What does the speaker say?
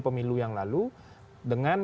pemilu yang lalu dengan